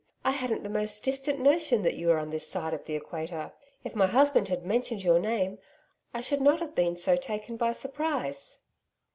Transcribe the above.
I hadn't the most distant notion that you were on this side of the equator. If my husband had mentioned your name I should not have been so taken by surprise.'